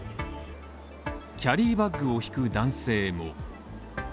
キャリーバッグを引く男性も。